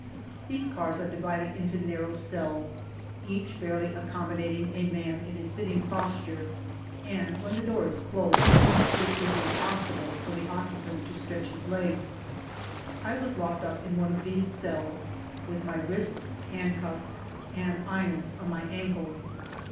These cars are divided into narrow cells, each barely ac commodating a man in sitting posture, and when the door is closed it is impossible for the occu pant to stretch his legs. I was locked up in one of these cells, with my wrists handcuffed and irons on my ankles.